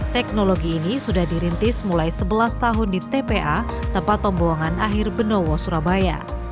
teknologi ini sudah dirintis mulai sebelas tahun di tpa tempat pembuangan akhir benowo surabaya